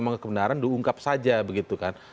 memang kebenaran diungkap saja begitu kan